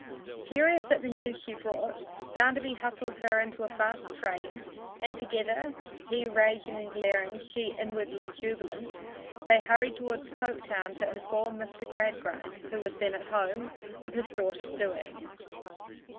Furious at the news she brought, Bounderby hustled her into a fast train, and together, he raging and glaring and she inwardly jubilant, they hurried toward Coketown to inform Mr. Gradgrind, who was then at home, of his daughter's doings.